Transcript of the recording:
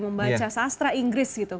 membaca sastra inggris gitu